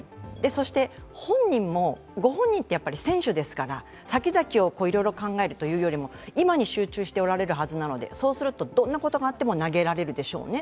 そして御本人って選手ですから先々をいろいろ考えるよりも今に集中しておられるはずなので、そうするとんなことがあっても投げられるでしょうね。